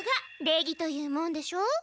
礼儀というもんでしょ。